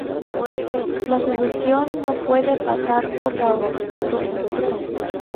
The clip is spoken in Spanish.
la solución no puede pasar por la auto-censura